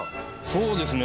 そうですね